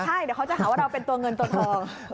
ใช่เดี๋ยวเขาจะหาว่าเราเป็นตัวเงินตัวทอง